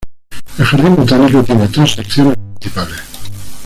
El jardín botánico tiene tres secciones principales,